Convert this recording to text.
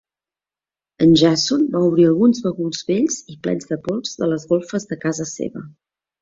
En Jason va obrir alguns baguls vells i plens de pols de les golfes de casa seva.